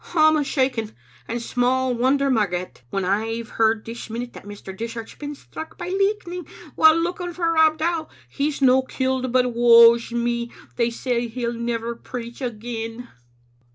"I'm a' shaking! And small wonder, Marget, when I've heard this minute that Mr. Dishart's been struck by lichtning while looking for Rob Dow. He's no killed, but, woe's me! they say he'll never preach again.